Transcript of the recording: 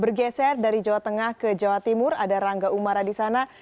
bergeser dari jawa tengah ke jawa timur ada rangga umara di sana